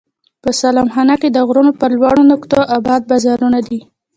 په سلام خانه کې د غرونو پر لوړو نقطو اباد بازار دی.